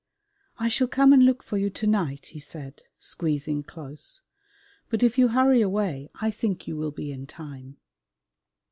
"I shall come and look for you to night," he said, squeezing close, "but if you hurry away I think you will be in time."